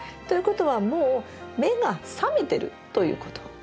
ということはもう目が覚めてるということ。